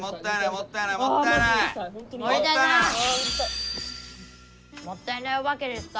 もったいないおばけですか？